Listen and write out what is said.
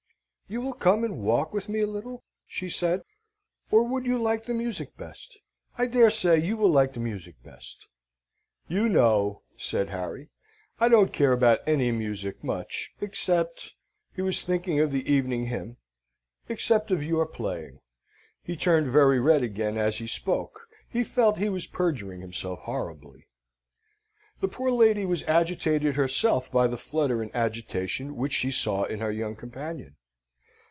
"You will come and walk with me a little?" she said. "Or would you like the music best? I dare say you will like the music best." "You know," said Harry, "I don't care about any music much, except" he was thinking of the evening hymn "except of your playing." He turned very red again as he spoke, he felt he was perjuring himself horribly. The poor lady was agitated herself by the flutter and agitation which she saw in her young companion.